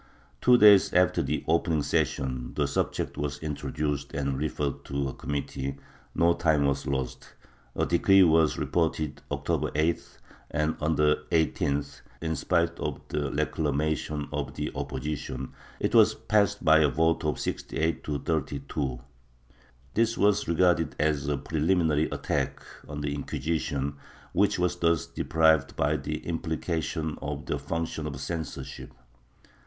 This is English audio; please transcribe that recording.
Two days after the opening session the subject was intro duced and referred to a committee ; no time was lost, a decree was reported October 8th, and on the 18th, in spite of the reclamations of the opposition, it was passed by a vote of 68 to 32. This was regarded as a preliminary attack on the Inquisition, which was thus deprived by implication of the function of censorship.